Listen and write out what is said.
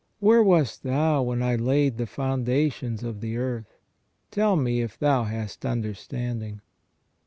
Where wast thou when I laid the foundations of the earth ? Tell me, if thou hast understanding."